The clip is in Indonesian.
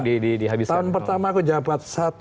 dihabis tahun pertama aku jabat